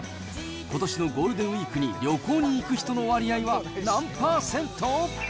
ことしのゴールデンウィークに旅行に行く人の割合は何％？